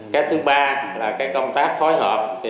cái thứ ba là cái công tác khói họp